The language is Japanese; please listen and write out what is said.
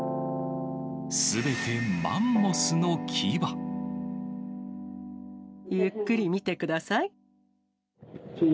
すべてマンモスの牙。ゆっくり見てください。